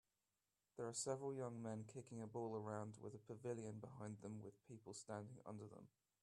There are several young men kicking a ball around with a pavilion behind them with people standing under them